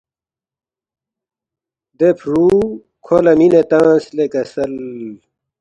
دے فرُو کھو لہ مِنے تنگس لے کسل